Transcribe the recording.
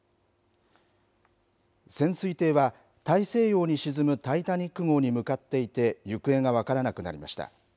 潜水艇は、大西洋に沈むタイタニック号に向かっていて、行方が分からなくなりました。